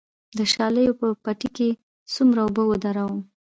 د شالیو په پټي کې څومره اوبه ودروم؟